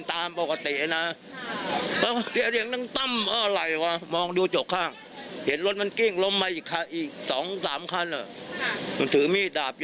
ตกใจมั้ยคะอู๋ที่รูปัดโทรเลยเนี่ย